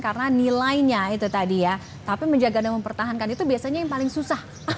karena nilainya itu tadi ya tapi menjaga dan mempertahankan itu biasanya yang paling susah